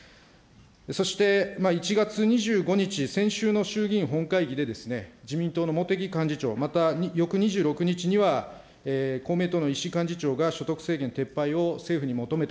そして１月２５日、先週の衆議院本会議でですね、自民党の茂木幹事長、また翌２６日には公明党の石井幹事長が所得制限撤廃を政府に求めた。